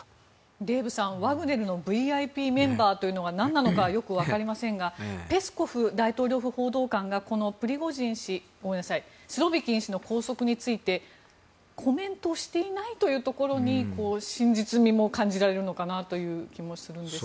デーブさん、ワグネルのＶＩＰメンバーというのがなんなのかよくわかりませんがペスコフ大統領府報道官がこのスロビキン氏の拘束についてコメントしていないというところに真実味も感じられるのかなという気もするんですが。